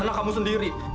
anak kamu sendiri